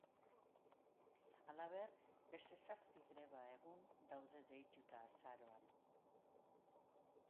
Halaber, beste zazpi greba egun daude deituta azaroan.